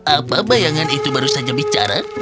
apa bayangan itu baru saja bicara